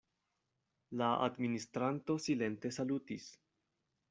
La administranto silente salutis.